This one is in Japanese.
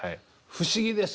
不思議です。